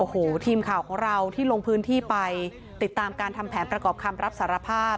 โอ้โหทีมข่าวของเราที่ลงพื้นที่ไปติดตามการทำแผนประกอบคำรับสารภาพ